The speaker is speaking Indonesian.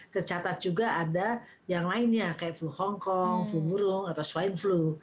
tercatat juga ada yang lainnya kayak flu hongkong flu burung atau swine flu